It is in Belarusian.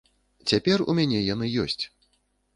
Цяпер у мяне яны ёсць.